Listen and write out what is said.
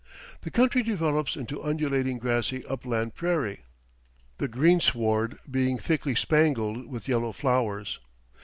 The country develops into undulating, grassy upland prairie, the greensward being thickly spangled with yellow flowers.